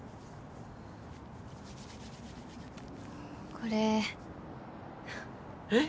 これえっ！？